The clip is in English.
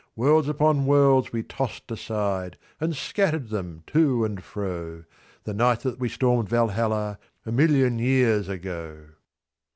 Worlds upon worlds we tossed aside, and scattered them to and fro, The night that we stormed Valhalla, a million years ago!